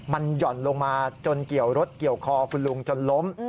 มันหย่อนลงมาจนเกี่ยวรถเกี่ยวคอคุณลุงจนล้ม